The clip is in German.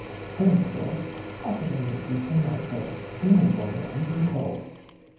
Killingsworth ist außerdem Mitglied von No Faith, Demonbrother und The Toll.